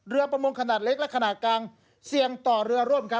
ประมงขนาดเล็กและขนาดกลางเสี่ยงต่อเรือร่มครับ